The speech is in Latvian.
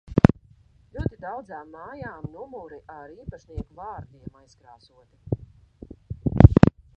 Ļoti daudzām mājām numuri ar īpašnieku vārdiem aizkrāsoti.